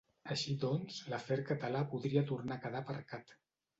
Així doncs l’afer català podria tornar quedar aparcat.